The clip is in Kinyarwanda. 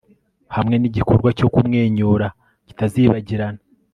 hamwe nigikorwa cyo kumwenyura kitazibagirana